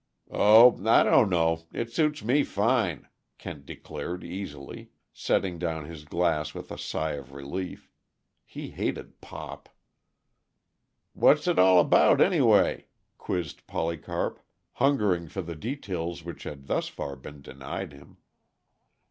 "Oh, I don't know it suits me fine," Kent declared easily, setting down his glass with a sigh of relief; he hated "pop." "What's it all about, anyway?" quizzed Polycarp, hungering for the details which had thus far been denied him.